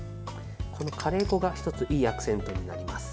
このカレー粉が１ついいアクセントになります。